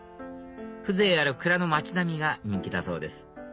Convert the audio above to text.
風情ある蔵の町並みが人気だそうです